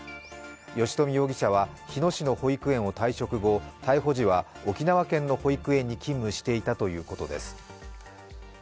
吉冨容疑者は日野市の保育園を退職後、逮捕時は沖縄県の保育園に勤務していたということです。